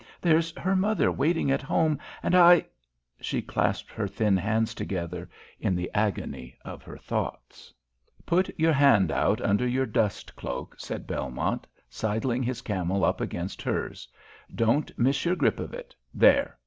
There's her mother waiting at home, and I " She clasped her thin hands together in the agony of her thoughts. "Put your hand out under your dust cloak," said Belmont, sidling his camel up against hers. "Don't miss your grip of it. There!